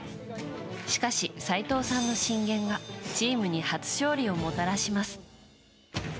しかし、齋藤さんの進言がチームに初勝利をもたらします。